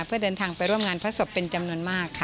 เพื่อเดินทางไปร่วมงานพระศพเป็นจำนวนมากค่ะ